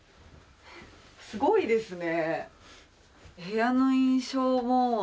すごいですね。